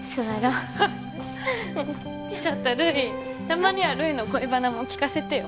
うんちょっと留依たまには留依の恋バナも聞かせてよ